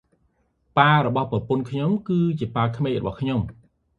ប៉ារបស់ប្រពន្ធខ្ញុំ គឺប៉ាក្មេករបស់ខ្ញុំ។